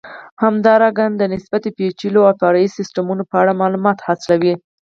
همدارنګه د نسبتا پېچلو او فرعي سیسټمونو په اړه معلومات حاصلوئ.